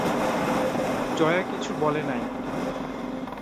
জয়া কিছু বলে নাই।